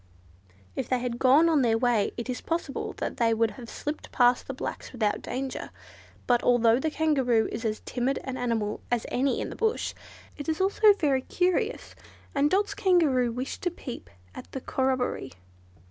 If they had gone on their way it is possible that they would have slipped past the blacks without danger. But although the Kangaroo is as timid an animal as any in the bush, it is also very curious, and Dot's Kangaroo wished to peep at the corroboree.